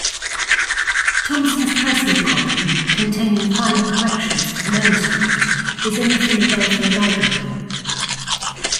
Thomson's personal copy, containing final corrections to the manuscript, is in the Philadelphia library.